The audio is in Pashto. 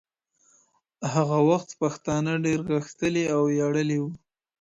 هغه وخت پښتانه ډېر غښتلي او ویاړلي وو.